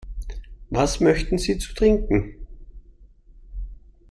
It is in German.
Was möchten Sie zu trinken?